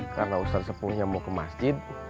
karena ustaz sepuhnya mau ke masjid